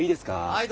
はい。